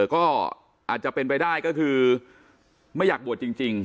ก็อาจจะเป็นไปได้ก็คือไม่อยากบวชจริง